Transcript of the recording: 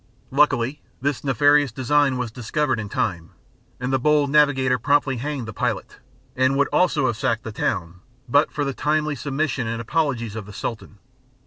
Luckily, this nefarious design was discovered in time, and the bold navigator promptly hanged the pilot, and would also have sacked the town but for the timely submission and apologies of the Sultan.